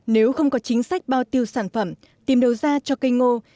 nếu không có chính sách bao tiêu sản phẩm tìm đầu ra cho cây ngô